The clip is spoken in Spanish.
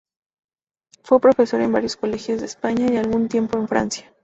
Fue profesor en varios colegios de España y algún tiempo en Francia.